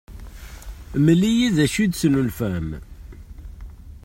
Mlem-iyi-d d acu i d-tesnulfam.